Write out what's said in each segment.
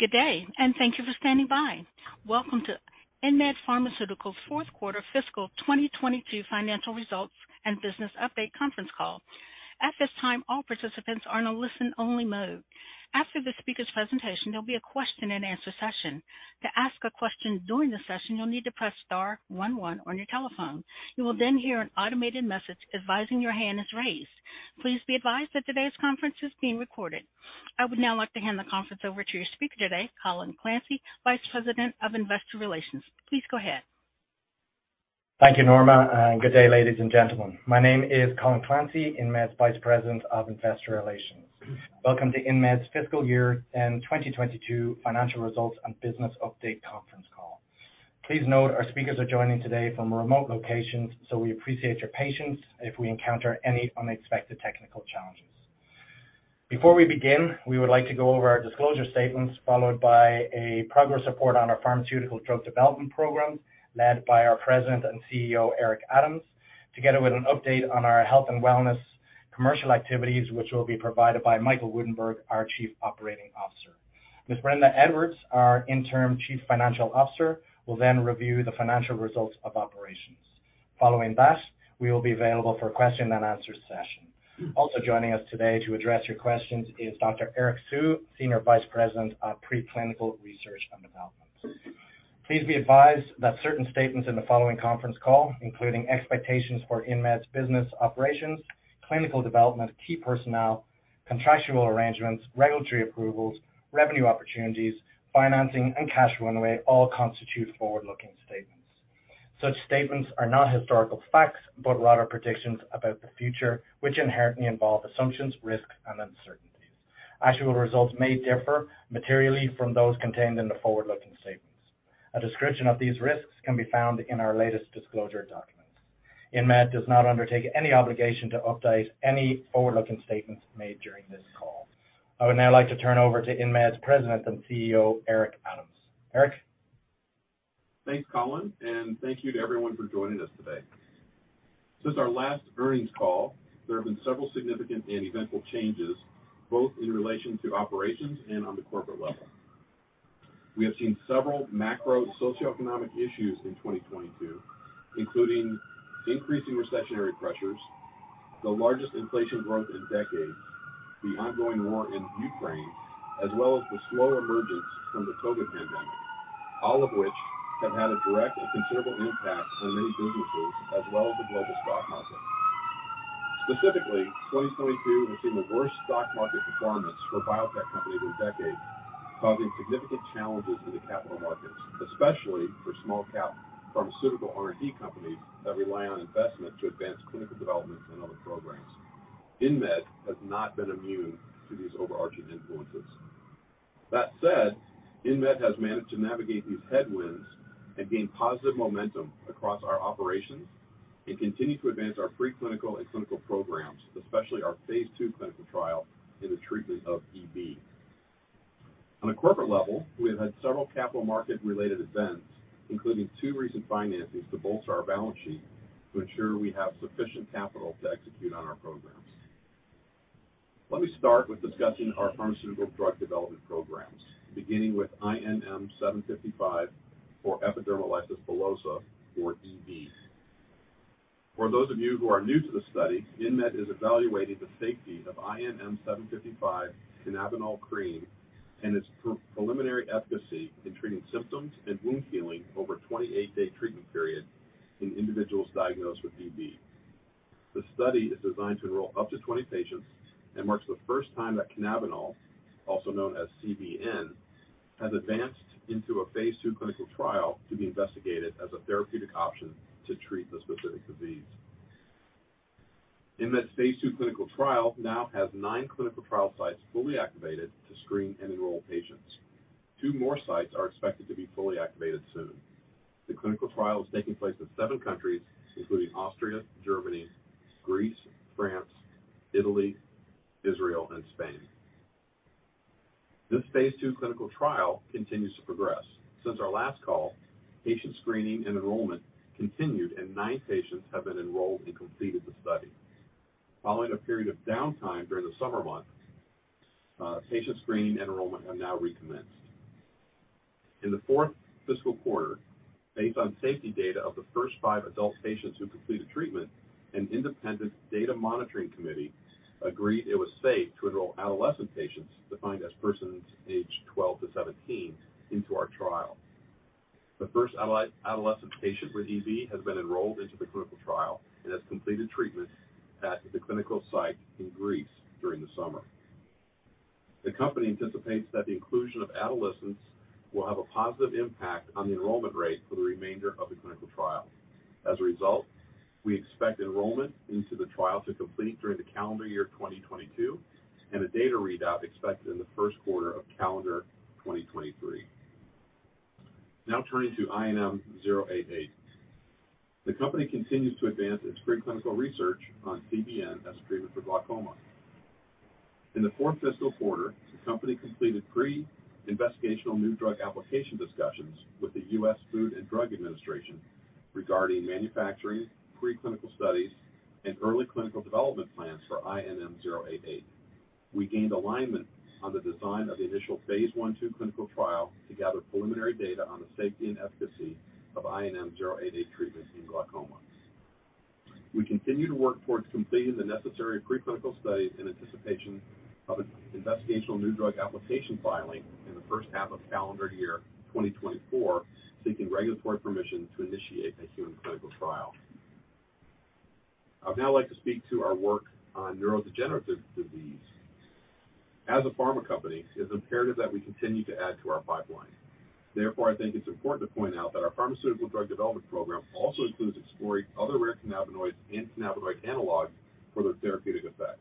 Good day, and thank you for standing by. Welcome to InMed Pharmaceuticals' Q4 fiscal 2022 financial results and business update conference call. At this time, all participants are in a listen-only mode. After the speaker's presentation, there'll be a question-and-answer session. To ask a question during the session, you'll need to press star one one on your telephone. You will then hear an automated message advising your hand is raised. Please be advised that today's conference is being recorded. I would now like to hand the conference over to your speaker today, Colin Clancy, Vice President of Investor Relations. Please go ahead. Thank you, Norma, and good day, ladies and gentlemen. My name is Colin Clancy, InMed's Vice President of Investor Relations. Welcome to InMed's fiscal year-end 2022 financial results and business update conference call. Please note our speakers are joining today from remote locations, so we appreciate your patience if we encounter any unexpected technical challenges. Before we begin, we would like to go over our disclosure statements, followed by a progress report on our pharmaceutical drug development program led by our President and CEO, Eric Adams, together with an update on our health and wellness commercial activities, which will be provided by Michael Woudenberg, our Chief Operating Officer. Ms. Brenda Edwards, our Interim Chief Financial Officer, will then review the financial results of operations. Following that, we will be available for a question-and-answer session. Also joining us today to address your questions is Dr. Eric Hsu, Senior Vice President of Preclinical Research and Development. Please be advised that certain statements in the following conference call, including expectations for InMed's business operations, clinical development, key personnel, contractual arrangements, regulatory approvals, revenue opportunities, financing, and cash runway all constitute forward-looking statements. Such statements are not historical facts, but rather predictions about the future which inherently involve assumptions, risks, and uncertainties. Actual results may differ materially from those contained in the forward-looking statements. A description of these risks can be found in our latest disclosure documents. InMed does not undertake any obligation to update any forward-looking statements made during this call. I would now like to turn over to InMed's President and CEO, Eric Adams. Eric. Thanks, Colin, and thank you to everyone for joining us today. Since our last earnings call, there have been several significant and eventful changes, both in relation to operations and on the corporate level. We have seen several macro socioeconomic issues in 2022, including increasing recessionary pressures, the largest inflation growth in decades, the ongoing war in Ukraine, as well as the slow emergence from the COVID pandemic, all of which have had a direct and considerable impact on many businesses, as well as the global stock market. Specifically, 2022 has seen the worst stock market performance for biotech companies in decades, causing significant challenges in the capital markets, especially for small-cap pharmaceutical R&D companies that rely on investment to advance clinical development and other programs. InMed has not been immune to these overarching influences. That said, InMed has managed to navigate these headwinds and gain positive momentum across our operations and continue to advance our preclinical and clinical programs, especially our phase II clinical trial in the treatment of EB. On a corporate level, we have had several capital market-related events, including two recent financings to bolster our balance sheet to ensure we have sufficient capital to execute on our programs. Let me start with discussing our pharmaceutical drug development programs, beginning with INM-755 for epidermolysis bullosa, or EB. For those of you who are new to the study, InMed is evaluating the safety of INM-755 cannabinol cream and its preliminary efficacy in treating symptoms and wound healing over a 28-day treatment period in individuals diagnosed with EB. The study is designed to enroll up to 20 patients and marks the first time that cannabinol, also known as CBN, has advanced into a phase II clinical trial to be investigated as a therapeutic option to treat the specific disease. InMed's phase II clinical trial now has 9 clinical trial sites fully activated to screen and enroll patients. 2 more sites are expected to be fully activated soon. The clinical trial is taking place in 7 countries, including Austria, Germany, Greece, France, Italy, Israel, and Spain. This phase II clinical trial continues to progress. Since our last call, patient screening and enrollment continued, and 9 patients have been enrolled and completed the study. Following a period of downtime during the summer months, patient screening and enrollment have now recommenced. In the fourth fiscal quarter, based on safety data of the first 5 adult patients who completed treatment, an independent data monitoring committee agreed it was safe to enroll adolescent patients, defined as persons aged 12-17, into our trial. The first adolescent patient with EB has been enrolled into the clinical trial and has completed treatment at the clinical site in Greece during the summer. The company anticipates that the inclusion of adolescents will have a positive impact on the enrollment rate for the remainder of the clinical trial. As a result, we expect enrollment into the trial to complete during the calendar year 2022, and a data readout expected in the Q1 of calendar 2023. Now turning to INM-088. The company continues to advance its preclinical research on CBN as a treatment for glaucoma. In the fourth fiscal quarter, the company completed pre-investigational new drug application discussions with the US Food and Drug Administration regarding manufacturing, preclinical studies and early clinical development plans for INM-088. We gained alignment on the design of the initial phase I, 2 clinical trial to gather preliminary data on the safety and efficacy of INM-088 treatments in glaucoma. We continue to work towards completing the necessary preclinical studies in anticipation of investigational new drug application filing in the first half of calendar year 2024, seeking regulatory permission to initiate a human clinical trial. I'd now like to speak to our work on neurodegenerative disease. As a pharma company, it's imperative that we continue to add to our pipeline. Therefore, I think it's important to point out that our pharmaceutical drug development program also includes exploring other rare cannabinoids and cannabinoid analogs for their therapeutic effects.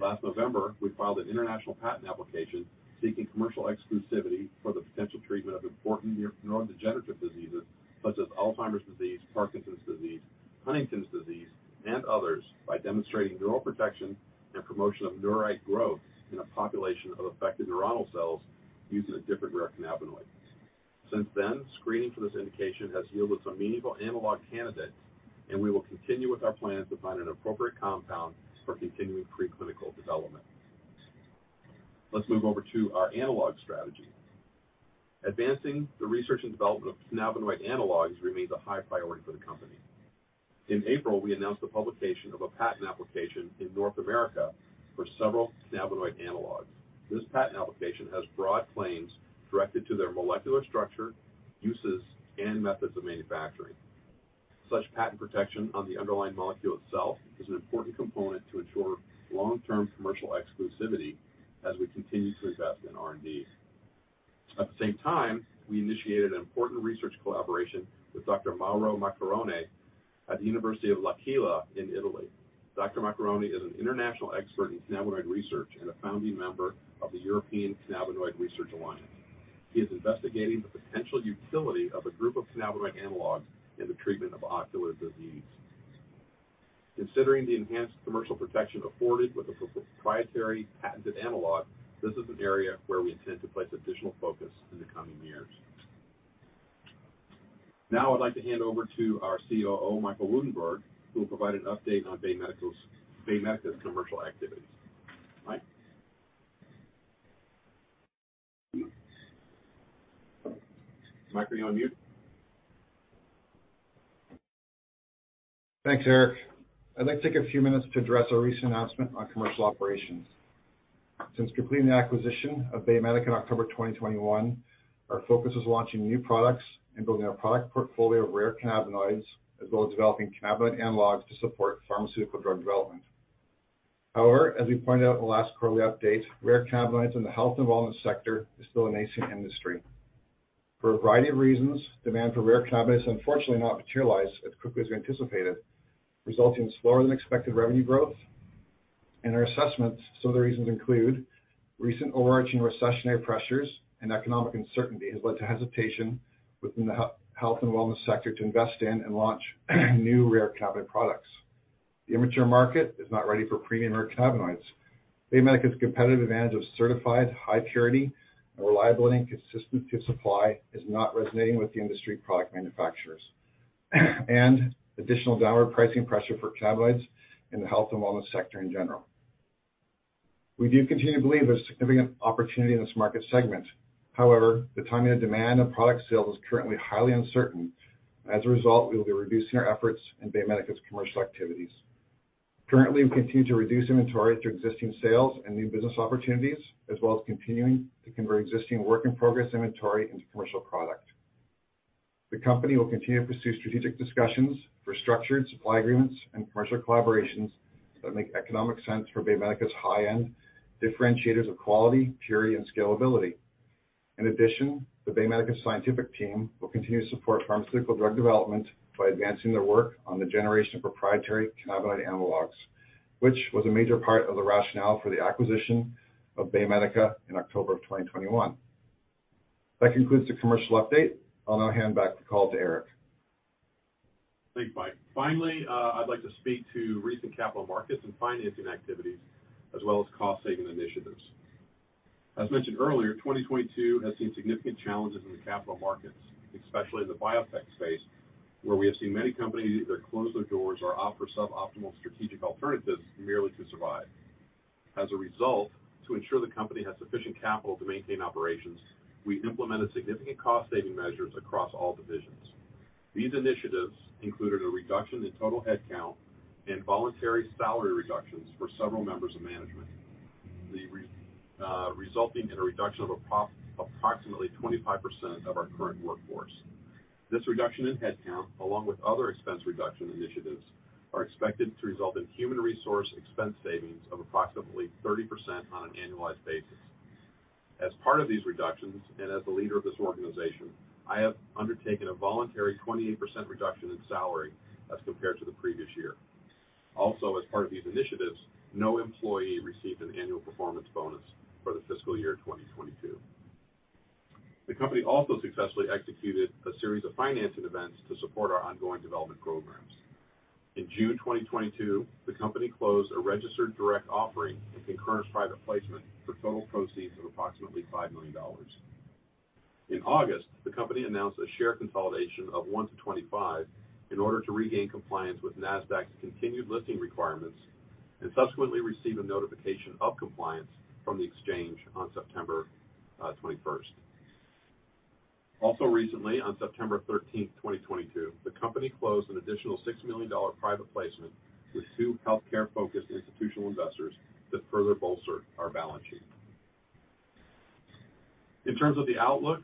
Last November, we filed an international patent application seeking commercial exclusivity for the potential treatment of important neurodegenerative diseases such as Alzheimer's disease, Parkinson's disease, Huntington's disease, and others by demonstrating neural protection and promotion of neurite growth in a population of affected neuronal cells using a different rare cannabinoid. Since then, screening for this indication has yielded some meaningful analog candidates, and we will continue with our plans to find an appropriate compound for continuing preclinical development. Let's move over to our analog strategy. Advancing the research and development of cannabinoid analogs remains a high priority for the company. In April, we announced the publication of a patent application in North America for several cannabinoid analogs. This patent application has broad claims directed to their molecular structure, uses, and methods of manufacturing. Such patent protection on the underlying molecule itself is an important component to ensure long-term commercial exclusivity as we continue to invest in R&D. At the same time, we initiated an important research collaboration with Dr. Mauro Maccarrone at the University of L'Aquila in Italy. Dr. Maccarrone is an international expert in cannabinoid research and a founding member of the European Cannabinoid Research Alliance. He is investigating the potential utility of a group of cannabinoid analogs in the treatment of ocular disease. Considering the enhanced commercial protection afforded with a proprietary patented analog, this is an area where we intend to place additional focus in the coming years. Now I'd like to hand over to our COO, Michael Woudenberg, who will provide an update on BayMedica's commercial activities. Mike? Are you on mute? Thanks, Eric. I'd like to take a few minutes to address our recent announcement on commercial operations. Since completing the acquisition of BayMedica in October 2021, our focus is launching new products and building a product portfolio of rare cannabinoids, as well as developing cannabinoid analogs to support pharmaceutical drug development. However, as we pointed out in the last quarterly update, rare cannabinoids in the health and wellness sector is still a nascent industry. For a variety of reasons, demand for rare cannabinoids unfortunately not materialized as quickly as anticipated, resulting in slower than expected revenue growth. In our assessments, some of the reasons include recent overarching recessionary pressures and economic uncertainty has led to hesitation within the health and wellness sector to invest in and launch new rare cannabinoid products. The immature market is not ready for premium rare cannabinoids. BayMedica's competitive advantage of certified high purity and reliability and consistency of supply is not resonating with the industry product manufacturers. Additional downward pricing pressure for cannabinoids in the health and wellness sector in general. We do continue to believe there's significant opportunity in this market segment. However, the timing of demand and product sales is currently highly uncertain. As a result, we will be reducing our efforts in BayMedica's commercial activities. Currently, we continue to reduce inventory through existing sales and new business opportunities, as well as continuing to convert existing work in progress inventory into commercial product. The company will continue to pursue strategic discussions for structured supply agreements and commercial collaborations that make economic sense for BayMedica's high-end differentiators of quality, purity, and scalability. In addition, the BayMedica scientific team will continue to support pharmaceutical drug development by advancing their work on the generation of proprietary cannabinoid analogs, which was a major part of the rationale for the acquisition of BayMedica in October of 2021. That concludes the commercial update. I'll now hand back the call to Eric. Thanks, Mike. Finally, I'd like to speak to recent capital markets and financing activities, as well as cost-saving initiatives. As mentioned earlier, 2022 has seen significant challenges in the capital markets, especially in the biotech space, where we have seen many companies either close their doors or opt for suboptimal strategic alternatives merely to survive. As a result, to ensure the company has sufficient capital to maintain operations, we implemented significant cost-saving measures across all divisions. These initiatives included a reduction in total headcount and voluntary salary reductions for several members of management. Resulting in a reduction of approximately 25% of our current workforce. This reduction in headcount, along with other expense reduction initiatives, are expected to result in human resource expense savings of approximately 30% on an annualized basis. As part of these reductions, and as the leader of this organization, I have undertaken a voluntary 28% reduction in salary as compared to the previous year. Also, as part of these initiatives, no employee received an annual performance bonus for the fiscal year 2022. The company also successfully executed a series of financing events to support our ongoing development programs. In June 2022, the company closed a registered direct offering and concurrent private placement for total proceeds of approximately $5 million. In August, the company announced a share consolidation of 1-25 in order to regain compliance with Nasdaq's continued listing requirements and subsequently receive a notification of compliance from the Exchange on September 21st. Also recently, on September 13th, 2022, the company closed an additional $6 million private placement with two healthcare-focused institutional investors to further bolster our balance sheet. In terms of the outlook,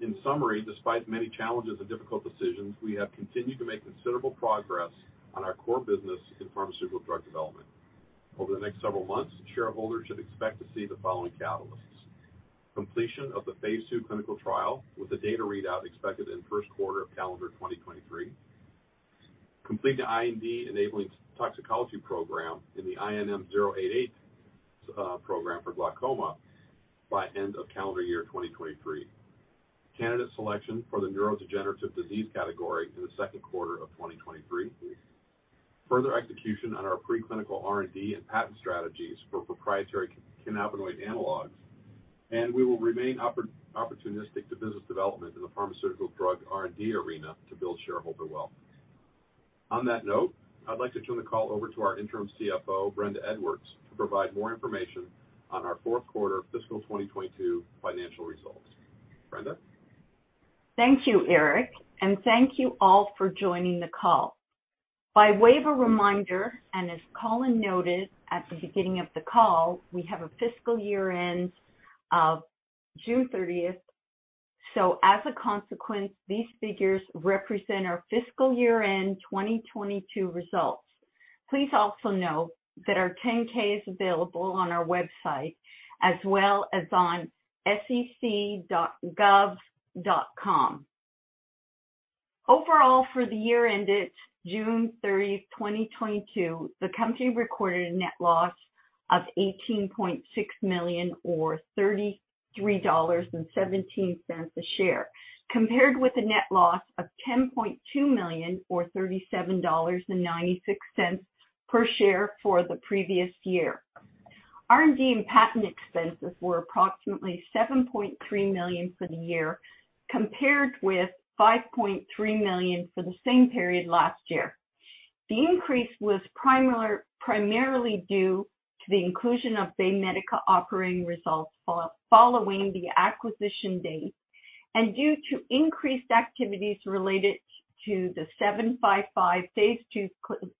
in summary, despite many challenges and difficult decisions, we have continued to make considerable progress on our core business in pharmaceutical drug development. Over the next several months, shareholders should expect to see the following catalysts. Completion of the phase II clinical trial, with the data readout expected in Q1 of calendar 2023. Complete the IND-enabling toxicology program in the INM-088 program for glaucoma by end of calendar year 2023. Candidate selection for the neurodegenerative disease category in the Q2 of 2023. Further execution on our preclinical R&D and patent strategies for proprietary cannabinoid analogs, and we will remain opportunistic to business development in the pharmaceutical drug R&D arena to build shareholder wealth. On that note, I'd like to turn the call over to our interim CFO, Brenda Edwards, to provide more information on our Q4 fiscal 2022 financial results. Brenda? Thank you, Eric, and thank you all for joining the call. By way of a reminder, and as Colin noted at the beginning of the call, we have a fiscal year-end of June 30th. As a consequence, these figures represent our fiscal year-end 2022 results. Please also note that our 10-K is available on our website as well as on sec.gov. Overall, for the year ended June 30th, 2022, the company recorded a net loss of $18.6 million or $33.17 a share, compared with a net loss of $10.2 million or $37.96 per share for the previous year. R&D and patent expenses were approximately $7.3 million for the year, compared with $5.3 million for the same period last year. The increase was primarily due to the inclusion of BayMedica operating results following the acquisition date and due to increased activities related to the 755 phase two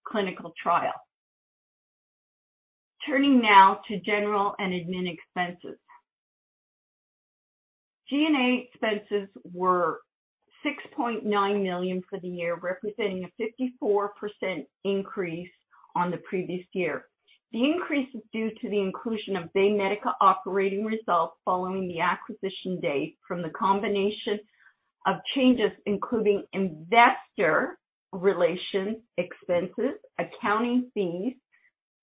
clinical trial. Turning now to general and admin expenses. G&A expenses were $6.9 million for the year, representing a 54% increase on the previous year. The increase is due to the inclusion of BayMedica operating results following the acquisition date from the combination of changes, including investor relations expenses, accounting fees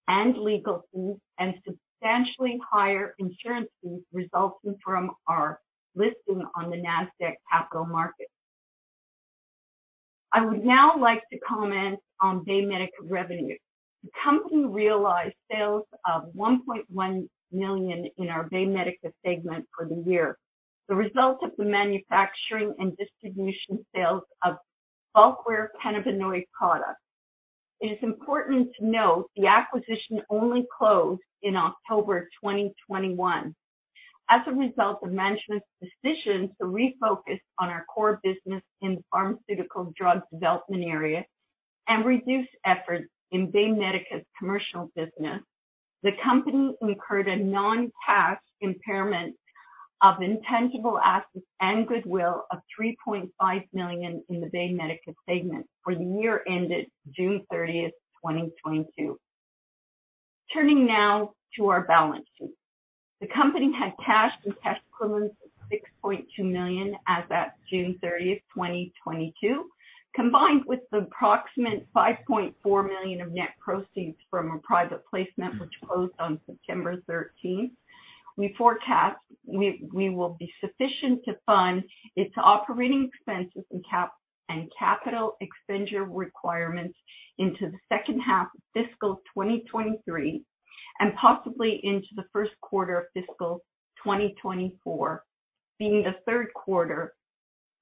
and legal fees, and substantially higher insurance fees resulting from our listing on the Nasdaq Capital Market. I would now like to comment on BayMedica revenue. The company realized sales of $1.1 million in our BayMedica segment for the year, the result of the manufacturing and distribution sales of bulk rare cannabinoid products. It is important to note the acquisition only closed in October 2021. As a result of management's decision to refocus on our core business in the pharmaceutical drug development area and reduce efforts in BayMedica's commercial business, the company incurred a non-cash impairment of intangible assets and goodwill of $3.5 million in the BayMedica segment for the year ended June 30th, 2022. Turning now to our balance sheet. The company had cash and cash equivalents of $6.2 million as at June 30th, 2022. Combined with the approximate $5.4 million of net proceeds from a private placement which closed on September 13th. We forecast we will be sufficient to fund its operating expenses and capital expenditure requirements into the second half of fiscal 2023 and possibly into the Q1 of fiscal 2024, being the Q3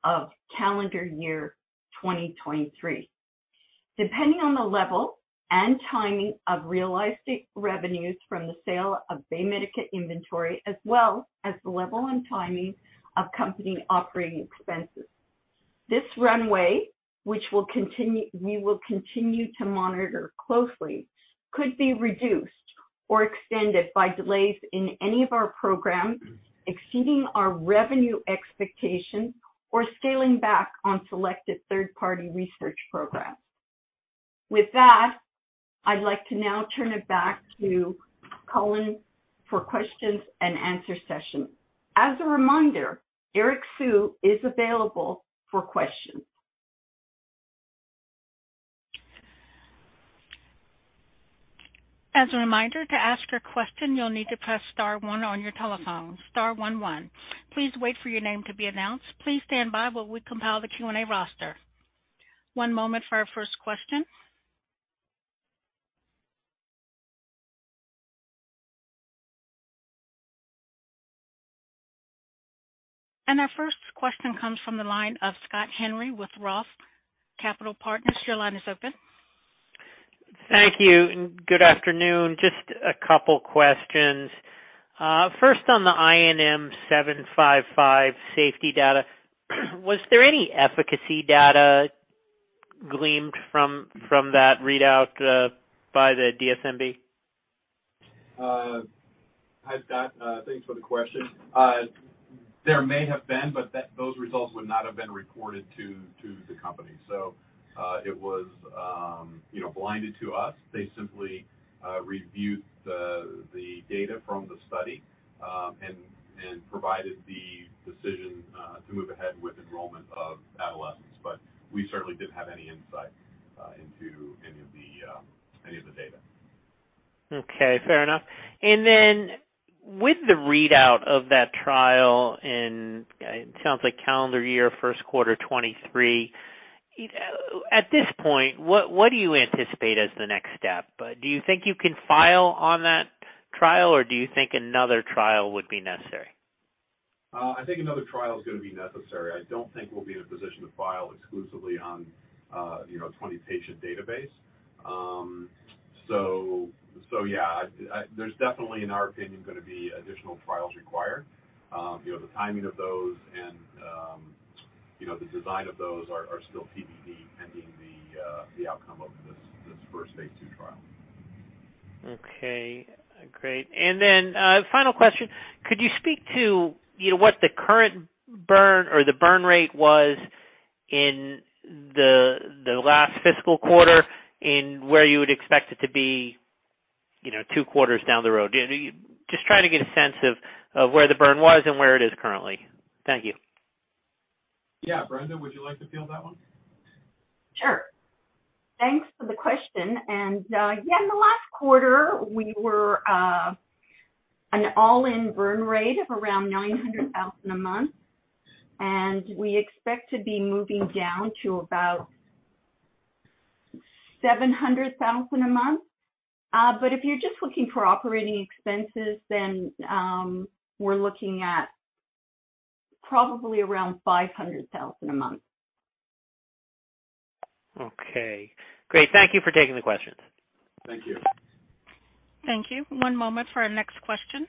of calendar year 2023. Depending on the level and timing of realized revenues from the sale of BayMedica inventory, as well as the level and timing of company operating expenses, this runway, which we will continue to monitor closely, could be reduced or extended by delays in any of our programs, exceeding our revenue expectations, or scaling back on selected third-party research programs. With that, I'd like to now turn it back to Colin for Q&A session. As a reminder, Eric Hsu is available for questions. As a reminder, to ask a question, you'll need to press star one on your telephone, star one one. Please wait for your name to be announced. Please stand by while we compile the Q&A roster. One moment for our first question. Our first question comes from the line of Scott Henry with Roth Capital Partners. Your line is open. Thank you, and good afternoon. Just a couple questions. First, on the INM-755 safety data, was there any efficacy data gleaned from that readout by the DSMB? Hi, Scott. Thanks for the question. There may have been, but those results would not have been reported to the company. It was, you know, blinded to us. They simply reviewed the data from the study and provided the decision to move ahead with enrollment of adolescents. We certainly didn't have any insight into any of the data. Okay. Fair enough. With the readout of that trial in, it sounds like calendar year Q1 2023, at this point, what do you anticipate as the next step? Do you think you can file on that trial, or do you think another trial would be necessary? I think another trial is gonna be necessary. I don't think we'll be in a position to file exclusively on, you know, a 20-patient database. Yeah, there's definitely, in our opinion, gonna be additional trials required. You know, the timing of those and, you know, the design of those are still TBD, pending the outcome of this first phase two trial. Okay. Great. Final question. Could you speak to, you know, what the current burn or the burn rate was in the last fiscal quarter, and where you would expect it to be, you know, two quarters down the road? Just trying to get a sense of where the burn was and where it is currently. Thank you. Yeah. Brenda, would you like to field that one? Sure. Thanks for the question. Yeah, in the last quarter, we were an all-in burn rate of around $900,000 a month, and we expect to be moving down to about $700,000 a month. If you're just looking for operating expenses, then we're looking at probably around $500,000 a month. Okay. Great. Thank you for taking the questions. Thank you. Thank you. One moment for our next question.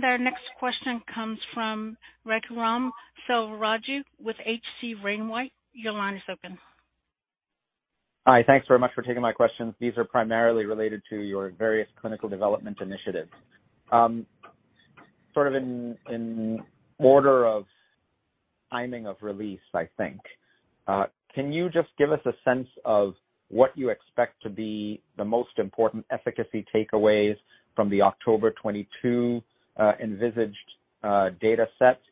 Our next question comes from Raghuram Selvaraju with H.C. Wainwright. Your line is open. Hi. Thanks very much for taking my questions. These are primarily related to your various clinical development initiatives. Sort of in order of timing of release, I think, can you just give us a sense of what you expect to be the most important efficacy takeaways from the October 2022 envisaged data set?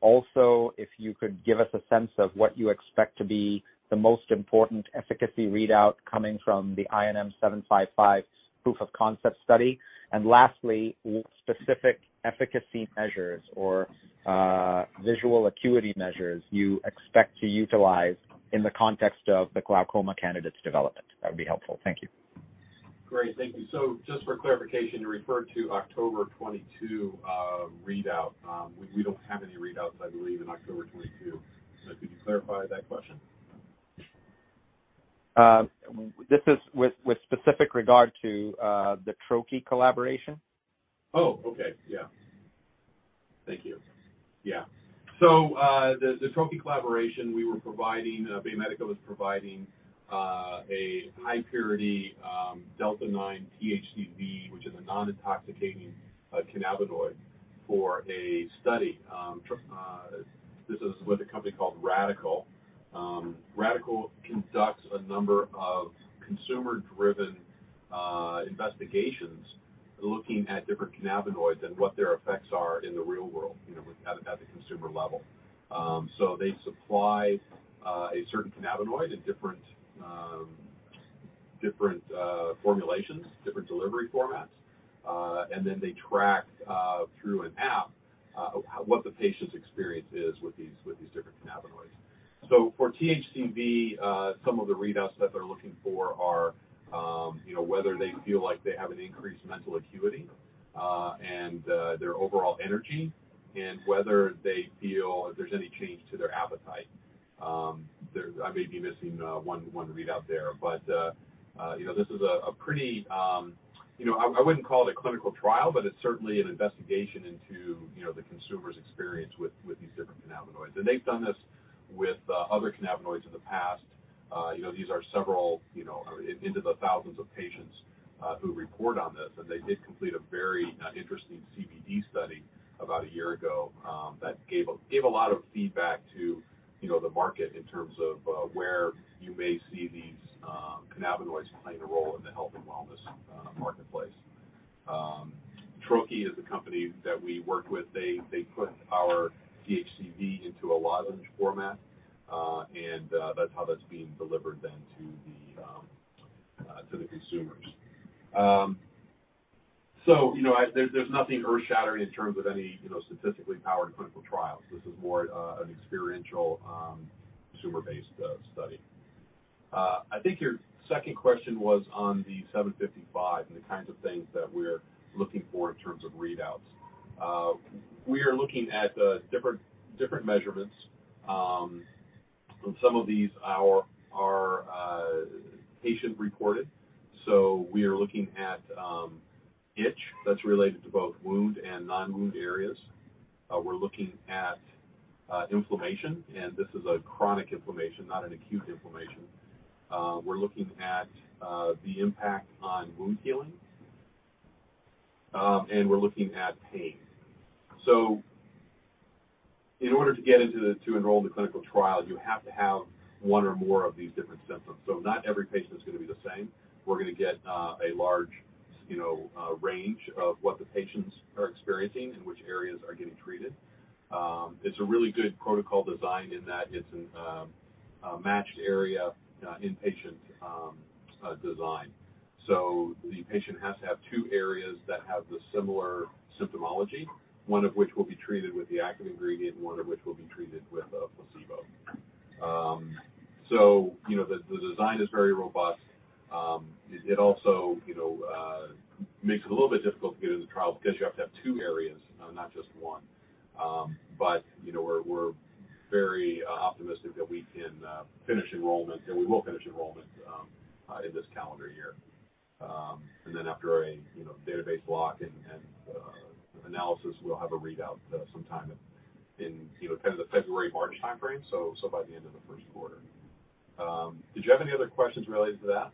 Also, if you could give us a sense of what you expect to be the most important efficacy readout coming from the INM-755 proof of concept study? Lastly, specific efficacy measures or visual acuity measures you expect to utilize in the context of the glaucoma candidate's development? That would be helpful. Thank you. Great. Thank you. Just for clarification, you referred to October 2022 readout. We don't have any readouts, I believe, in October 2022. Could you clarify that question? This is with specific regard to the Trokie collaboration. Oh, okay. Yeah. Thank you. Yeah. The Trokie collaboration. BayMedica was providing a high-purity delta-9 THCV, which is a non-intoxicating cannabinoid for a study. This is with a company called Radicle. Radicle conducts a number of consumer-driven investigations looking at different cannabinoids and what their effects are in the real world, you know, at the consumer level. They supply a certain cannabinoid in different formulations, different delivery formats, and then they track through an app what the patient's experience is with these different cannabinoids. For THCV, some of the readouts that they're looking for are, you know, whether they feel like they have an increased mental acuity, and their overall energy and whether they feel if there's any change to their appetite. I may be missing one readout there, but, you know, this is a pretty, you know, I wouldn't call it a clinical trial, but it's certainly an investigation into, you know, the consumer's experience with these different cannabinoids. They've done this with other cannabinoids in the past. You know, these are several, you know, or into the thousands of patients, who report on this. They did complete a very interesting CBD study about a year ago that gave a lot of feedback to, you know, the market in terms of where you may see these cannabinoids playing a role in the health and wellness marketplace. Trokie is a company that we work with. They put our THCV into a lozenge format and that's how that's being delivered then to the consumers. You know, I-- there's nothing earth-shattering in terms of any, you know, statistically powered clinical trials. This is more an experiential consumer-based study. I think your second question was on the INM-755 and the kinds of things that we're looking for in terms of readouts. We are looking at different measurements. Some of these are patient-reported. We are looking at itch that's related to both wound and non-wound areas. We're looking at inflammation, and this is a chronic inflammation, not an acute inflammation. We're looking at the impact on wound healing. We're looking at pain. In order to enroll in the clinical trial, you have to have one or more of these different symptoms. Not every patient is gonna be the same. We're gonna get a large, you know, range of what the patients are experiencing and which areas are getting treated. It's a really good protocol design in that it's in a matched area, in-patient design. The patient has to have two areas that have the similar symptomology, one of which will be treated with the active ingredient, one of which will be treated with a placebo. The design is very robust. It also makes it a little bit difficult to get into the trial because you have to have two areas, not just one. We're very optimistic that we can finish enrollment, and we will finish enrollment in this calendar year. Then after database lock and analysis, we'll have a readout sometime in the February, March timeframe by the end of the Q1. Did you have any other questions related to that?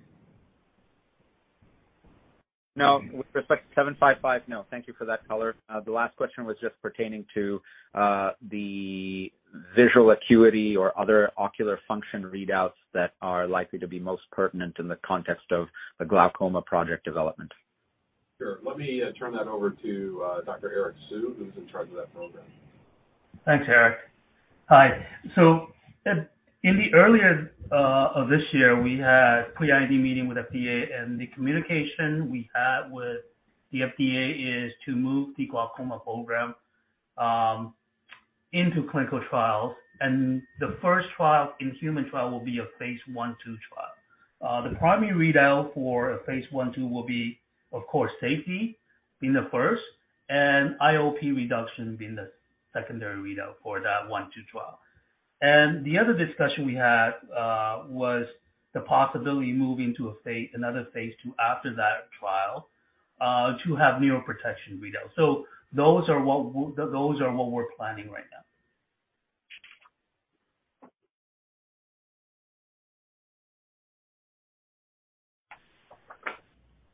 No. With respect to INM-755, no. Thank you for that color. The last question was just pertaining to the visual acuity or other ocular function readouts that are likely to be most pertinent in the context of the glaucoma product development. Sure. Let me turn that over to Dr. Eric Hsu, who's in charge of that program. Thanks, Eric. Hi. In the early part of this year, we had pre-IND meeting with FDA, and the communication we had with the FDA is to move the glaucoma program into clinical trials. The first human trial will be a phase I/2 trial. The primary readout for a phase I/2 will be, of course, safety being the first and IOP reduction being the secondary readout for that 1/2 trial. The other discussion we had was the possibility of moving to another phase II after that trial to have neuroprotection readout. That's what we're planning right now.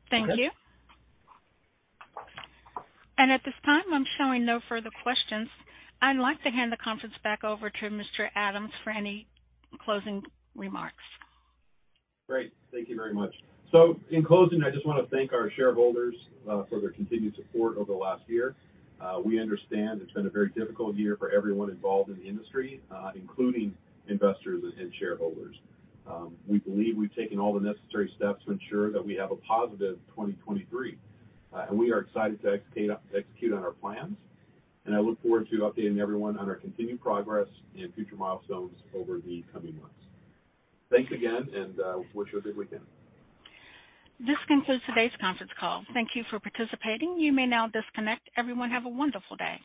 Thank you. Okay. At this time, I'm showing no further questions. I'd like to hand the conference back over to Mr. Adams for any closing remarks. Great. Thank you very much. In closing, I just wanna thank our shareholders for their continued support over the last year. We understand it's been a very difficult year for everyone involved in the industry, including investors and shareholders. We believe we've taken all the necessary steps to ensure that we have a positive 2023, and we are excited to execute on our plans, and I look forward to updating everyone on our continued progress and future milestones over the coming months. Thanks again, and wish you a good weekend. This concludes today's conference call. Thank you for participating. You may now disconnect. Everyone, have a wonderful day.